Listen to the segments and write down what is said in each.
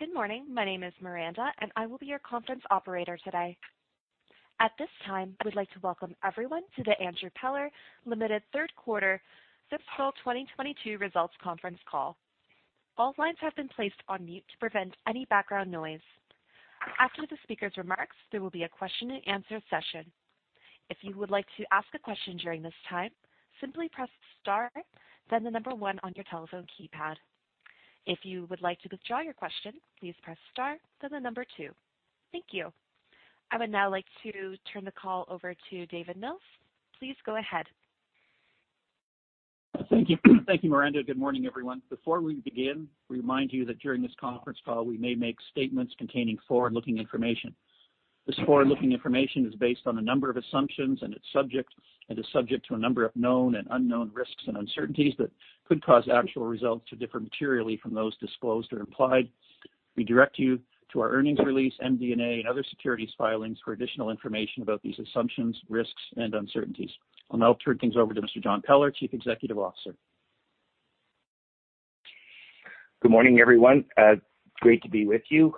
Good morning. My name is Miranda, and I will be your conference operator today. At this time, I would like to welcome everyone to the Andrew Peller Limited Third Quarter Fiscal 2022 Results Conference Call. All lines have been placed on mute to prevent any background noise. After the speaker's remarks, there will be a question-and-answer session. If you would like to ask a question during this time, simply press star, then the number one on your telephone keypad. If you would like to withdraw your question, please press star, then the number two. Thank you. I would now like to turn the call over to David Mills. Please go ahead. Thank you. Thank you, Miranda. Good morning, everyone. Before we begin, we remind you that during this conference call, we may make statements containing forward-looking information. This forward-looking information is based on a number of assumptions and is subject to a number of known and unknown risks and uncertainties that could cause actual results to differ materially from those disclosed or implied. We direct you to our earnings release, MD&A, and other securities filings for additional information about these assumptions, risks, and uncertainties. I'll now turn things over to Mr. John Peller, Chief Executive Officer. Good morning, everyone. Great to be with you.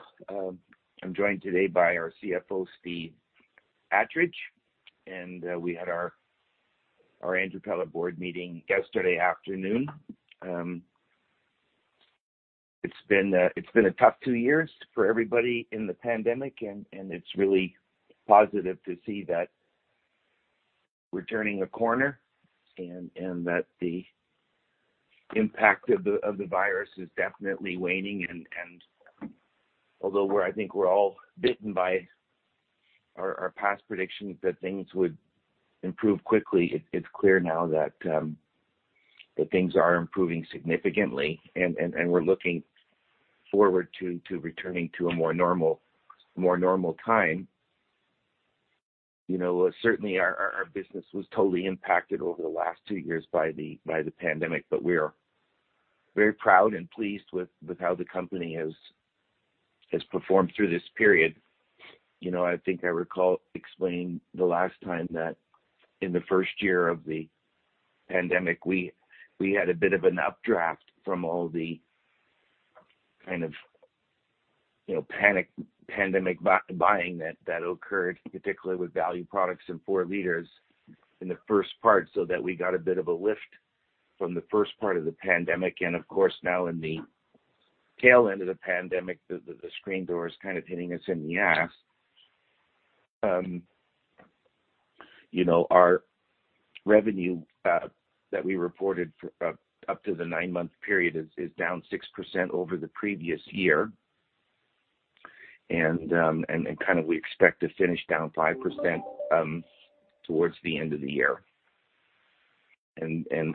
I'm joined today by our CFO, Steve Attridge, and we had our Andrew Peller board meeting yesterday afternoon. It's been a tough two years for everybody in the pandemic, and it's really positive to see that we're turning a corner and that the impact of the virus is definitely waning. Although we're all bitten by our past predictions that things would improve quickly, it's clear now that things are improving significantly, and we're looking forward to returning to a more normal time. You know, certainly our business was totally impacted over the last two years by the pandemic, but we're very proud and pleased with how the company has performed through this period. You know, I think I recall explaining the last time that in the first year of the pandemic, we had a bit of an updraft from all the kind of, you know, panic, pandemic buying that occurred, particularly with value products and for leaders in the first part, so that we got a bit of a lift from the first part of the pandemic. Of course, now in the tail end of the pandemic, the screen door is kind of hitting us in the ass. You know, our revenue that we reported for up to the nine-month period is down 6% over the previous year. We kind of expect to finish down 5% towards the end of the year.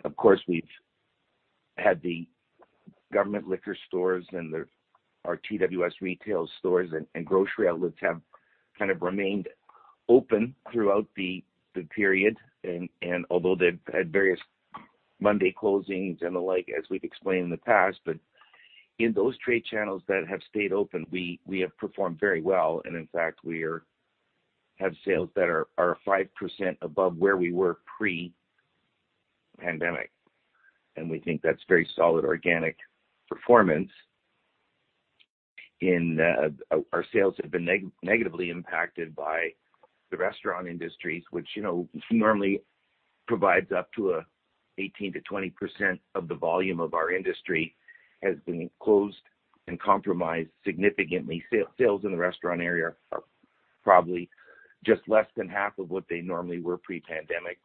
Of course, we've had the government liquor stores and our TWS retail stores and grocery outlets have kind of remained open throughout the period. Although they've had various Monday closings and the like, as we've explained in the past, but in those trade channels that have stayed open, we have performed very well. In fact, we have sales that are 5% above where we were pre-pandemic. We think that's very solid organic performance. Our sales have been negatively impacted by the restaurant industries, which you know normally provides up to 18%-20% of the volume of our industry, has been closed and compromised significantly. Sales in the restaurant area are probably just less than half of what they normally were pre-pandemic.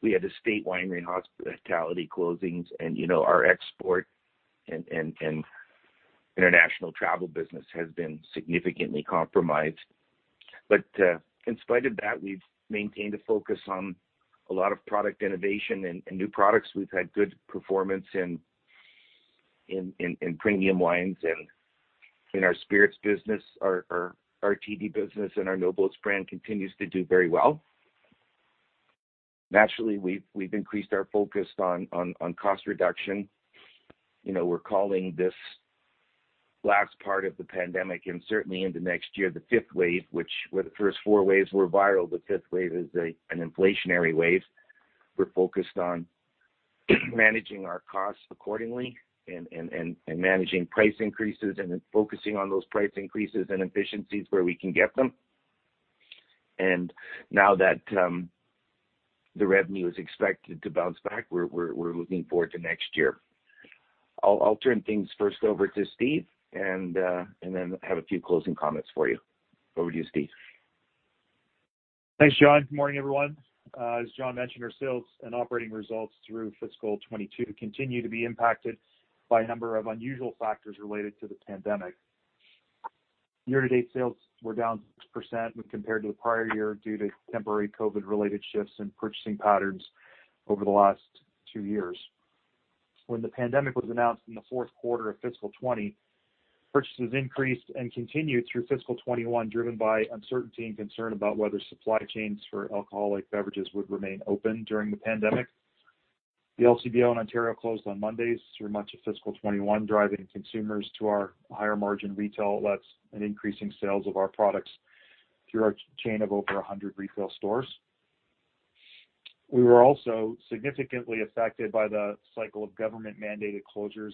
We had estate, winery, and hospitality closings, and, you know, our export and international travel business has been significantly compromised. In spite of that, we've maintained a focus on a lot of product innovation and new products. We've had good performance in premium wines and in our spirits business. Our RTD business and our No Boats brand continues to do very well. Naturally, we've increased our focus on cost reduction. You know, we're calling this last part of the pandemic and certainly into next year, the fifth wave, where the first four waves were viral, the fifth wave is an inflationary wave. We're focused on managing our costs accordingly and managing price increases and then focusing on those price increases and efficiencies where we can get them. Now that the revenue is expected to bounce back, we're looking forward to next year. I'll turn things first over to Steve and then have a few closing comments for you. Over to you, Steve. Thanks, John. Good morning, everyone. As John mentioned, our sales and operating results through fiscal 2022 continue to be impacted by a number of unusual factors related to the pandemic. Year-to-date sales were down 6% when compared to the prior year due to temporary COVID-related shifts in purchasing patterns over the last two years. When the pandemic was announced in the fourth quarter of fiscal 2020, purchases increased and continued through fiscal 2021, driven by uncertainty and concern about whether supply chains for alcoholic beverages would remain open during the pandemic. The LCBO in Ontario closed on Mondays through much of fiscal 2021, driving consumers to our higher margin retail outlets and increasing sales of our products through our chain of over 100 retail stores. We were also significantly affected by the cycle of government-mandated closures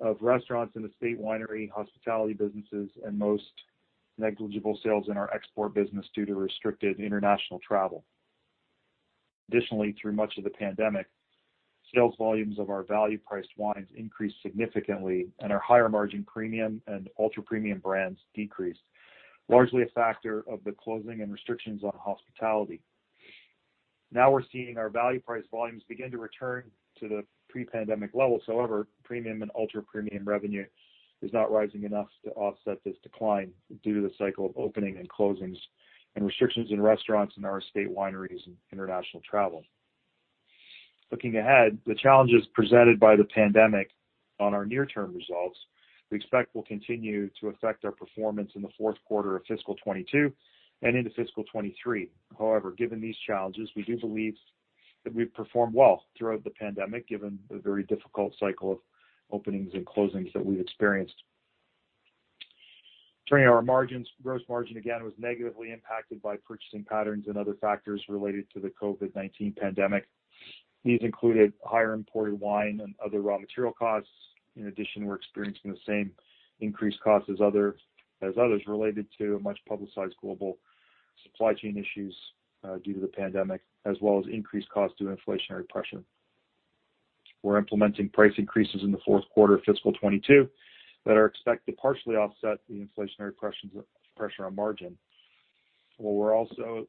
of restaurants in the estate winery, hospitality businesses, and most negligible sales in our export business due to restricted international travel. Additionally, through much of the pandemic, sales volumes of our value-priced wines increased significantly, and our higher-margin premium and ultra-premium brands decreased, largely a factor of the closing and restrictions on hospitality. Now we're seeing our value-priced volumes begin to return to the pre-pandemic levels. However, premium and ultra-premium revenue is not rising enough to offset this decline due to the cycle of openings and closings and restrictions on restaurants in our estate wineries and international travel. Looking ahead to the challenges presented by the pandemic on our near-term results, we expect will continue to affect our performance in the fourth quarter of fiscal 2022 and into fiscal 2023. However, given these challenges, we do believe that we've performed well throughout the pandemic, given the very difficult cycle of openings and closings that we've experienced. Turning to our margins. Gross margin, again, was negatively impacted by purchasing patterns and other factors related to the COVID-19 pandemic. These included higher imported wine and other raw material costs. In addition, we're experiencing the same increased costs as others related to much-publicized global supply chain issues due to the pandemic, as well as increased cost due to inflationary pressure. We're implementing price increases in the fourth quarter of fiscal 2022 that are expected to partially offset the inflationary pressure on margin. Well, we're also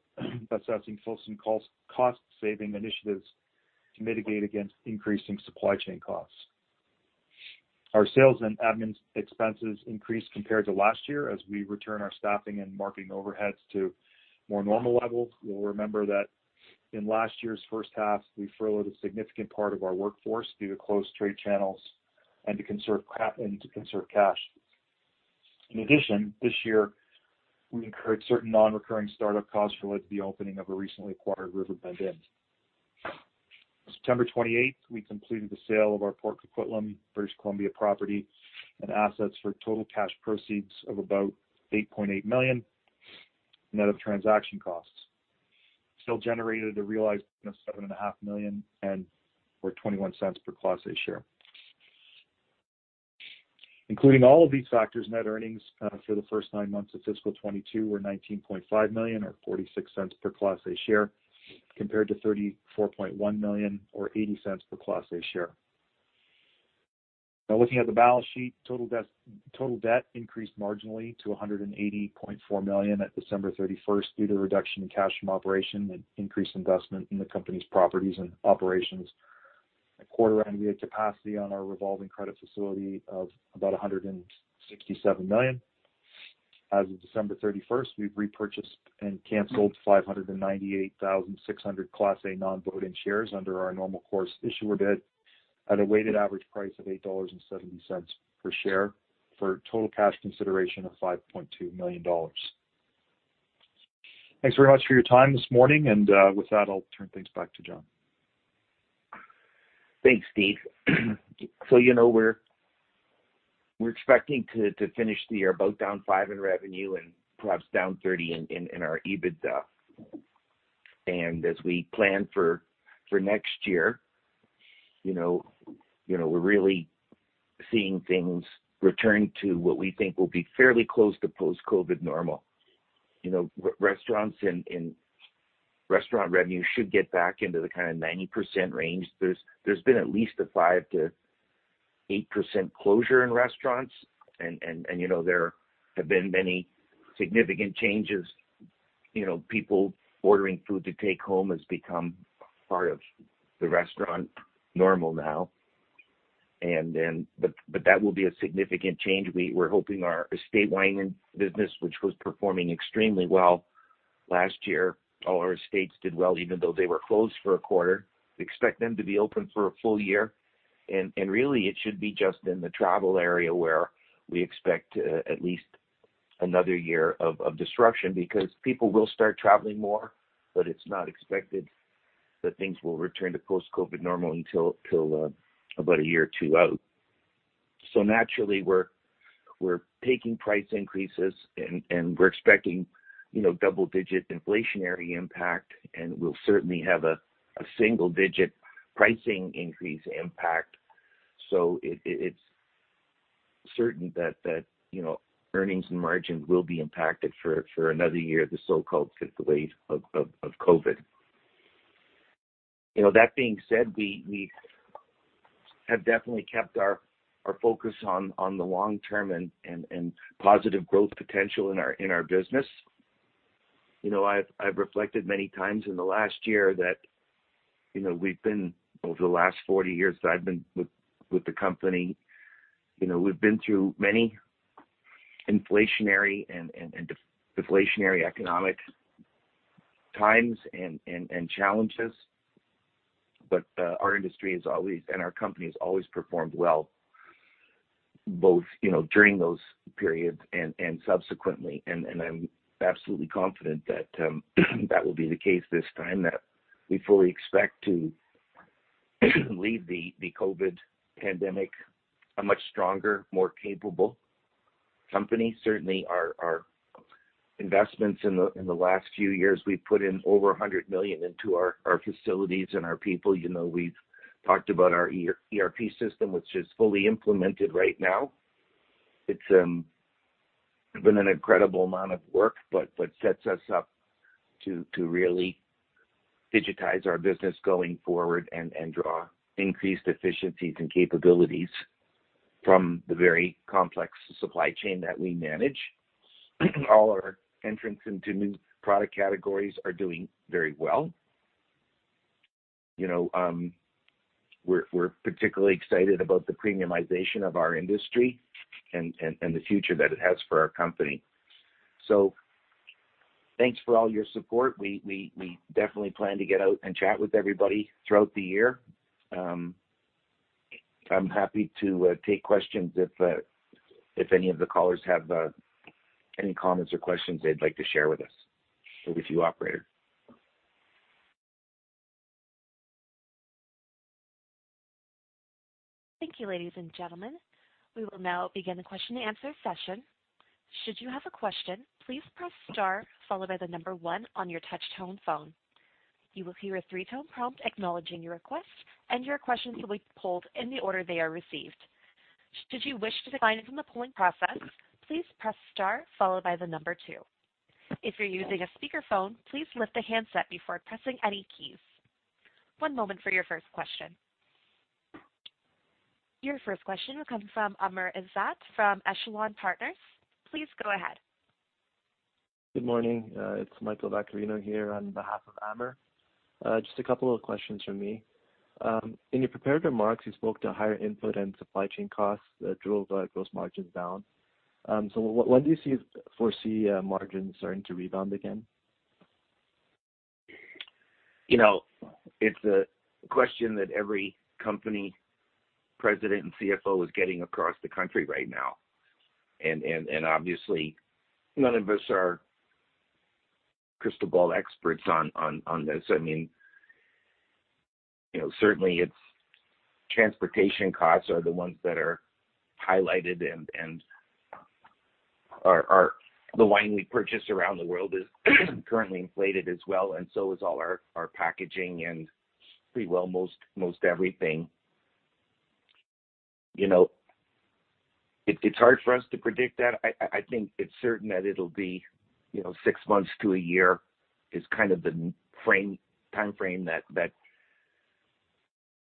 assessing fills and costs, cost-saving initiatives to mitigate against increasing supply chain costs. Our sales and admin expenses increased compared to last year as we return our staffing and marketing overheads to more normal levels. You'll remember that in last year's first half, we furloughed a significant part of our workforce due to closed trade channels and to conserve cash. In addition, this year we incurred certain non-recurring start-up costs related to the opening of a recently acquired Riverbend Inn. September 28, we completed the sale of our Port Coquitlam, British Columbia, property and assets for total cash proceeds of about 8.8 million net of transaction costs. Still generated a realized 7.5 million, or 0.21 per Class A share. Including all of these factors, net earnings for the first nine months of fiscal 2022 were 19.5 million or 0.46 per Class A share, compared to 34.1 million or 0.80 per Class A share. Now looking at the balance sheet. Total debt increased marginally to 180.4 million at December 31 due to reduction in cash from operation and increased investment in the company's properties and operations. At quarter end, we had capacity on our revolving credit facility of about 167 million. As of December 31, we've repurchased and canceled 598,600 Class A non-voting shares under our normal course issuer bid at a weighted average price of 8.70 dollars per share for total cash consideration of 5.2 million dollars. Thanks very much for your time this morning, and with that, I'll turn things back to John. Thanks, Steve. So, you know, we're expecting to finish the year about down 5% in revenue and perhaps down 30% in our EBITDA. As we plan for next year, you know, we're really seeing things return to what we think will be fairly close to post-COVID normal. You know, restaurants and restaurant revenue should get back into the kind of 90% range. There's been at least a 5%-8% closure in restaurants and, you know, there have been many significant changes. You know, people ordering food to take home has become part of the restaurant normal now. That will be a significant change. We're hoping our estate wine business, which was performing extremely well last year. All our estates did well even though they were closed for a quarter. We expect them to be open for a full year. Really, it should be just in the travel area where we expect at least another year of disruption because people will start traveling more, but it's not expected that things will return to post-COVID normal until about a year or two out. Naturally, we're taking price increases and we're expecting, you know, double-digit inflationary impact, and we'll certainly have a single-digit pricing increase impact. It's certain that you know, earnings and margins will be impacted for another year, the so-called fifth wave of COVID. You know, that being said, we have definitely kept our focus on the long-term and positive growth potential in our business. You know, I've reflected many times in the last year that, you know, we've been over the last 40 years that I've been with the company, you know, we've been through many inflationary and deflationary economic times and challenges. Our industry has always, and our company has always performed well, both during those periods and subsequently. I'm absolutely confident that will be the case this time, that we fully expect to leave the COVID pandemic a much stronger, more capable company. Certainly, our investments in the last few years, we've put in over 100 million into our facilities and our people. You know, we've talked about our ERP system, which is fully implemented right now. It's been an incredible amount of work, but sets us up to really digitize our business going forward and draw increased efficiencies and capabilities from the very complex supply chain that we manage. All our entrants into new product categories are doing very well. You know, we're particularly excited about the premiumization of our industry and the future that it has for our company. Thanks for all your support. We definitely plan to get out and chat with everybody throughout the year. I'm happy to take questions if any of the callers have any comments or questions they'd like to share with us. Over to you, operator. Thank you, ladies and gentlemen. We will now begin the question-and-answer session. Should you have a question, please press star followed by the number one on your touch tone phone. You will hear a three-tone prompt acknowledging your request, and your questions will be pulled in the order they are received. Should you wish to decline from the polling process, please press star followed by the number two. If you're using a speakerphone, please lift the handset before pressing any keys. One moment for your first question. Your first question will come from Amr Ezzat from ECHELON Partners. Please go ahead. Good morning. It's Michael Vaccarino here on behalf of Amr. Just a couple of questions from me. In your prepared remarks, you spoke to higher input and supply chain costs that drove gross margins down. When do you foresee margins starting to rebound again? You know, it's a question that every company President and CFO is getting across the country right now. Obviously, none of us are crystal ball experts on this. I mean, you know, certainly it's transportation costs are the ones that are highlighted or the wine we purchase around the world is currently inflated as well, and so is all our packaging and pretty well most everything. You know, it's hard for us to predict that. I think it's certain that it'll be, you know, six months to a year is kind of the timeframe that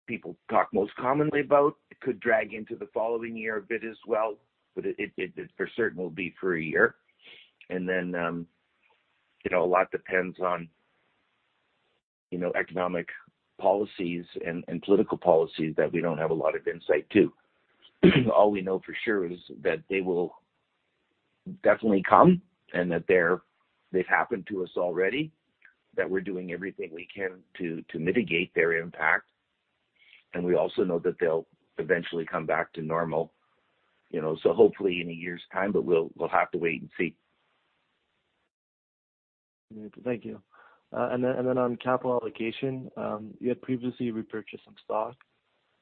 people talk most commonly about. It could drag into the following year a bit as well, but it for certain will be for a year. You know, a lot depends on, you know, economic policies and political policies that we don't have a lot of insight to. All we know for sure is that they will definitely come and that they've happened to us already, that we're doing everything we can to mitigate their impact. We also know that they'll eventually come back to normal, you know. Hopefully in a year's time, but we'll have to wait and see. Thank you. On capital allocation, you had previously repurchased some stock.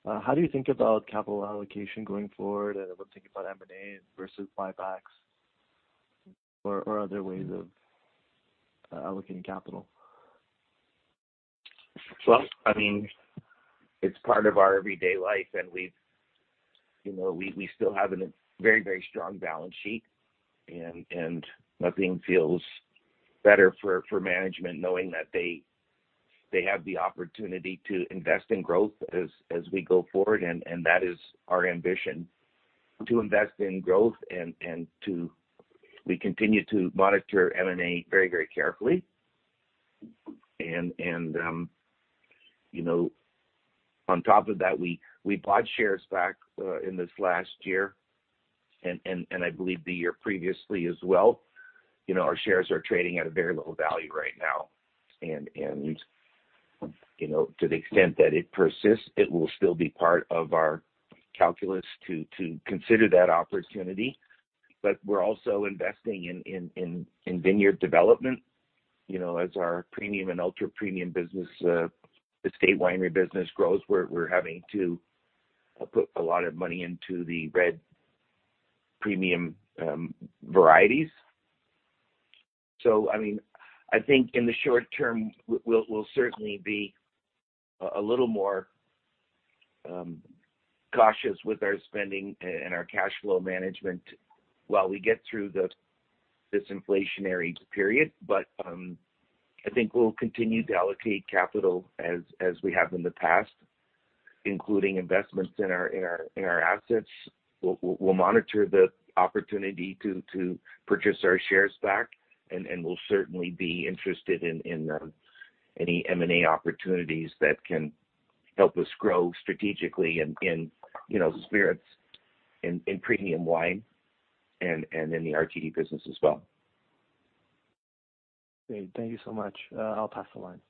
How do you think about capital allocation going forward? I would think about M&A versus buybacks or other ways of allocating capital. Well, I mean, it's part of our everyday life, and we've, you know, we still have a very, very strong balance sheet, and nothing feels better for management knowing that they have the opportunity to invest in growth as we go forward. That is our ambition, to invest in growth and we continue to monitor M&A very, very carefully. You know, on top of that, we bought shares back in this last year and I believe the year previously as well. You know, our shares are trading at a very low value right now. You know, to the extent that it persists, it will still be part of our calculus to consider that opportunity. We're also investing in vineyard development. You know, as our premium and ultra-premium business, estate winery business grows, we're having to put a lot of money into the red premium varieties. I mean, I think in the short-term, we'll certainly be a little more cautious with our spending and our cash flow management while we get through this inflationary period. I think we'll continue to allocate capital as we have in the past, including investments in our assets. We'll monitor the opportunity to purchase our shares back, and we'll certainly be interested in any M&A opportunities that can help us grow strategically in, you know, spirits, in premium wine and in the RTD business as well. Great. Thank you so much. I'll pass the line.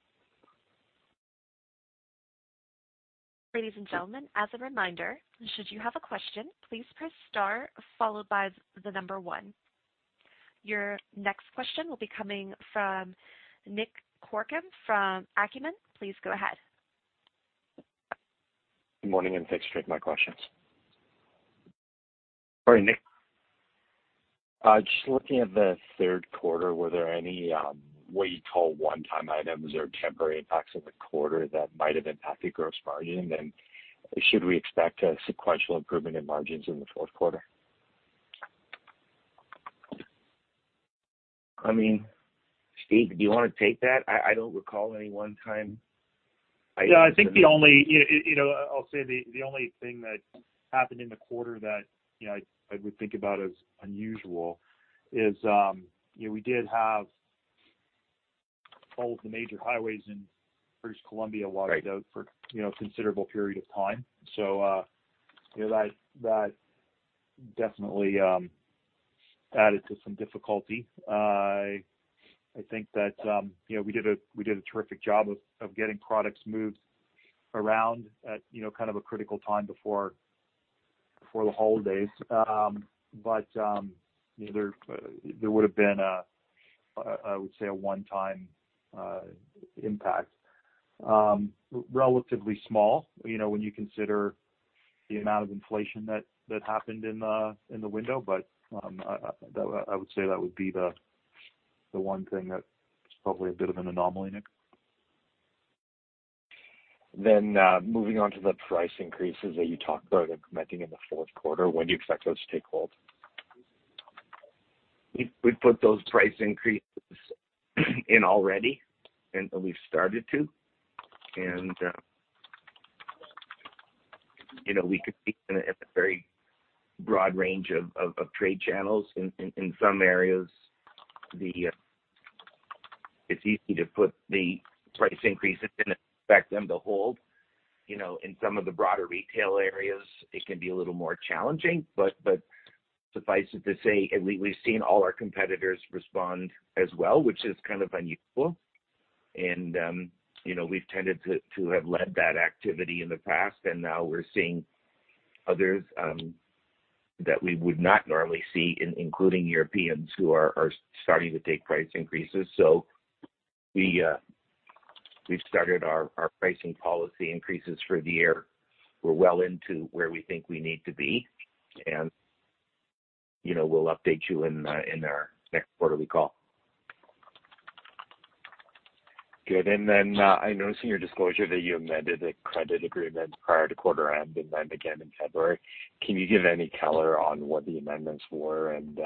Ladies and gentlemen as a reminder should you have a question, please press star followed by the number one. Your next question will be coming from Nick Corcoran from Acumen. Please go ahead. Good morning, and thanks for taking my questions. All right, Nick. Just looking at the third quarter, were there any, what you call one-time items or temporary impacts in the quarter that might have impacted gross margin? Should we expect a sequential improvement in margins in the fourth quarter? I mean, Steve, do you wanna take that? I don't recall any one-time item. Yeah. You know, I'll say the only thing that happened in the quarter that, you know, I would think about as unusual is, you know, we did have all of the major highways in British Columbia washed out for, you know, a considerable period of time. You know, that definitely added to some difficulty. I think that you know we did a terrific job of getting products moved around at, you know, kind of a critical time before the holidays. You know, there would've been a, I would say, a one-time impact, relatively small, you know, when you consider the amount of inflation that happened in the window. I would say that would be the one thing that is probably a bit of an anomaly, Nick. Moving on to the price increases that you talked about implementing in the fourth quarter, when do you expect those to take hold? We put those price increases in already, and we've started to. You know, we could see it at the very broad range of trade channels. In some areas, it's easy to put the price increases and expect them to hold. You know, in some of the broader retail areas it can be a little more challenging. Suffice it to say, we've seen all our competitors respond as well, which is kind of unusual. You know, we've tended to have led that activity in the past, and now we're seeing others that we would not normally see including Europeans who are starting to take price increases. We've started our pricing policy increases for the year. We're well into where we think we need to be. You know, we'll update you in our next quarterly call. Good. I noticed in your disclosure that you amended the credit agreement prior to quarter end and then again in February. Can you give any color on what the amendments were and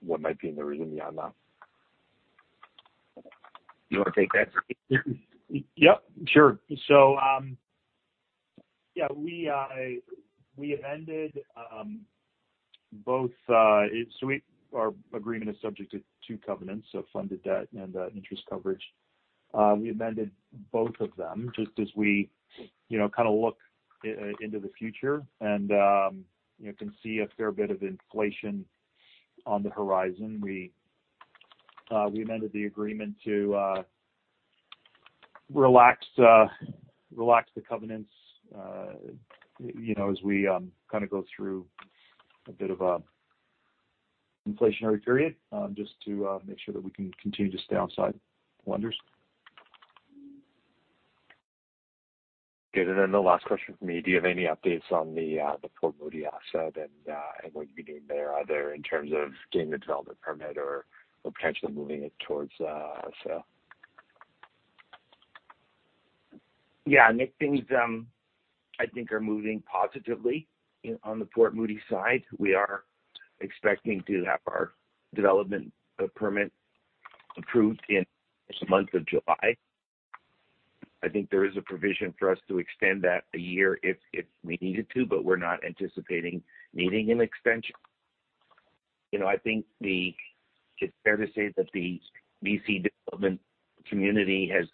what might be the reason beyond that? You wanna take that, Steve? Yep, sure. We amended both. Our agreement is subject to two covenants, so funded debt and interest coverage. We amended both of them just as we, you know, kinda look into the future and, you know, can see a fair bit of inflation on the horizon. We amended the agreement to relax the covenants, you know, as we kinda go through a bit of an inflationary period, just to make sure that we can continue to stay onside with lenders. Good. The last question from me. Do you have any updates on the Port Moody asset and what you're doing there, either in terms of getting the development permit or potentially moving it towards a sale? Yeah. Nick, things, I think, are moving positively on the Port Moody side. We are expecting to have our development permit approved in the month of July. I think there is a provision for us to extend that a year if we needed to, but we're not anticipating needing an extension. You know, I think. It's fair to say that the VC development community has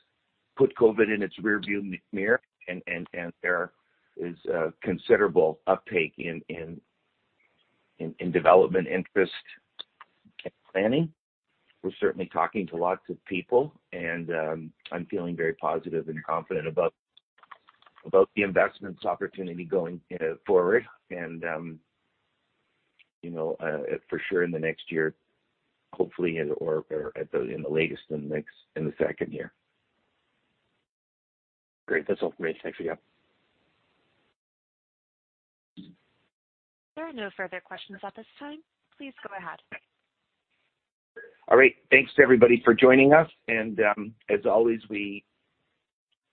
put COVID in its rearview mirror and there is a considerable uptake in development interest and planning. We're certainly talking to lots of people, and I'm feeling very positive and confident about the investment opportunity going forward and, you know, for sure in the next year, hopefully, or at the latest in the second year. Great. That's all for me. Thanks, again. There are no further questions at this time. Please go ahead. All right. Thanks to everybody for joining us. As always, we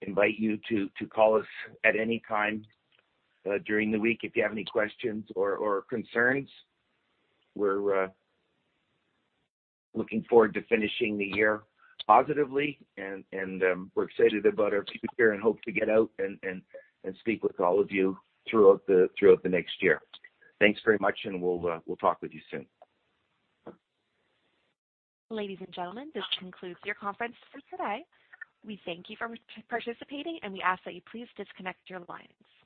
invite you to call us at any time during the week if you have any questions or concerns. We're looking forward to finishing the year positively, and we're excited about our future here and hope to get out and speak with all of you throughout the next year. Thanks very much, and we'll talk with you soon. Ladies and gentlemen, this concludes your conference for today. We thank you for participating, and we ask that you please disconnect your lines.